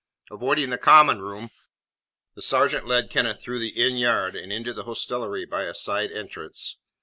Avoiding the common room, the sergeant led Kenneth through the inn yard, and into the hostelry by a side entrance.